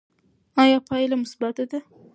ایا پایله مثبته ده؟